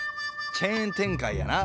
チェーン展開やな。